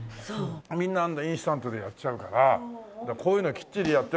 みんなインスタントでやっちゃうからこういうのきっちりやってる。